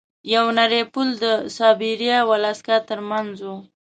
یو نری پل د سایبریا او الاسکا ترمنځ و.